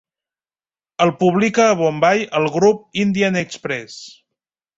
El publica a Bombai el grup Indian Express.